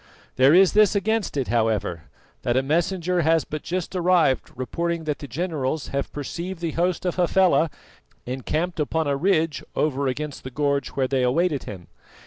There is this against it, however, that a messenger has but just arrived reporting that the generals have perceived the host of Hafela encamped upon a ridge over against the gorge where they awaited him.